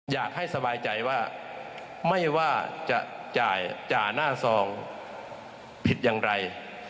อยากให้สบายใจว่าไม่ว่าจะจ่ายจ่าหน้าซองผิดอย่างไร